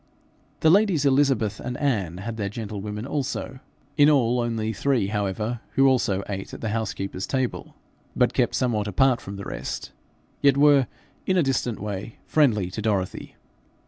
The ladies Elizabeth and Anne, had their gentlewomen also, in all only three, however, who also ate at the housekeeper's table, but kept somewhat apart from the rest yet were, in a distant way, friendly to Dorothy.